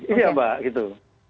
iya mbak gitu